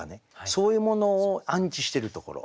そういうものを安置してるところ。